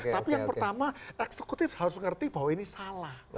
tapi yang pertama eksekutif harus mengerti bahwa ini salah